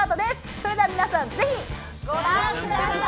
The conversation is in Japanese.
それでは皆さんぜひ！ご覧下さい！